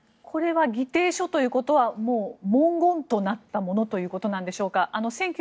これは議定書ということはもう文言となったものということなんでしょうか？